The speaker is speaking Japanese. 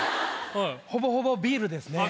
ほぼほぼビールですね。